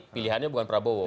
pilihannya bukan pak prabowo